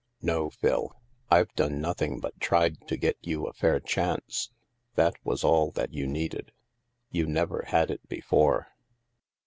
" No, Phil, I've done nothing but tried to get you a fair chance. That was all that you needed. You never had it before."